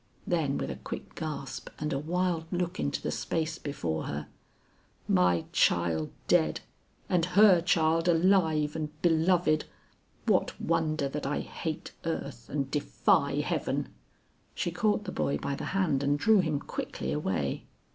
Then with a quick gasp and a wild look into the space before her, "My child dead, and her child alive and beloved! What wonder that I hate earth and defy heaven!" She caught the boy by the hand and drew him quickly away.